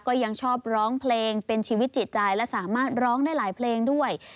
ก็ยังชอบร้องเพลงเป็นชีวิตจิตใจและสามารถร้องได้หลายเพลงด้วย